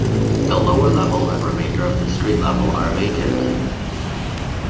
The lower level and the remainder of the street level are vacant.